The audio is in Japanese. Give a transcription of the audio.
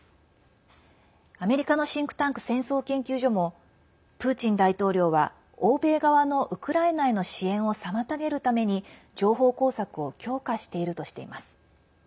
アメリカのシンクタンク戦争研究所もプーチン大統領は欧米側のウクライナへの支援を妨げるために情報工作を強化しているとしています。